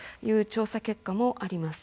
調査結果もあります。